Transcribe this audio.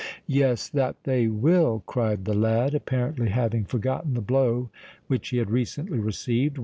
"Yes—that they will!" cried the lad, apparently having forgotten the blow which he had recently received.